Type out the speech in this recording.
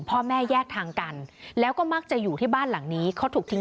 พ่อแม่แยกทางกันแล้วก็มักจะอยู่ที่บ้านหลังนี้เขาถูกทิ้ง